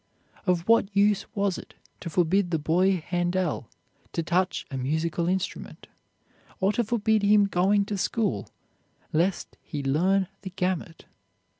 Of what use was it to forbid the boy Handel to touch a musical instrument, or to forbid him going to school, lest he learn the gamut?